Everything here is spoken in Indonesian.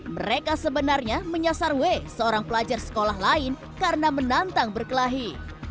mereka sebenarnya menyasar w seorang pelajar sekolah lain karena menantang berkelahi